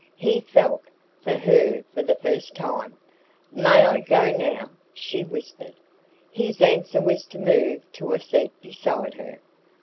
He "felt" for her for the first time. "May I go now?" she whispered. His answer was to move to a seat beside her.